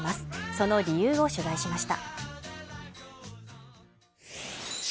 その理由を取材しました。